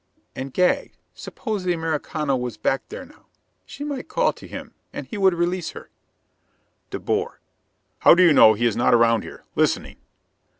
"And gagged? Suppose the Americano was back there now? She might call to him, and he would release her " De Boer: "How do you know he is not around here? Listening?"